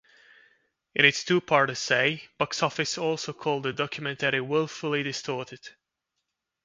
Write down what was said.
In its two-part essay, "Boxoffice" also called the documentary "willfully distorted.